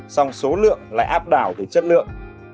xong số lượng lại áp đảo tới chất lượng